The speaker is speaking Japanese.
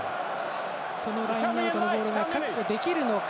そのラインアウトのボールが確保できるのか。